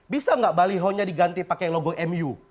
bisa enggak baliho nya diganti pakai logo mu